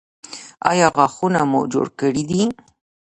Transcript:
ایا غاښونه مو جوړ کړي دي؟